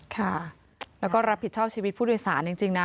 ค่ะแล้วก็รับผิดชอบชีวิตผู้โดยสารจริงนะ